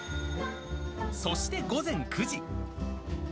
そして午前９時。